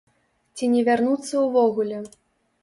Ці не вярнуцца ўвогуле.